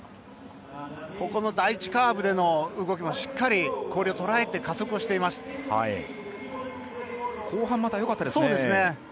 第１カーブでの動きもしっかり氷をとらえて後半、またよかったですね。